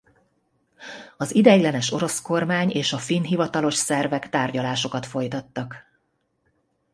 Az ideiglenes orosz kormány és a finn hivatalos szervek tárgyalásokat folytattak.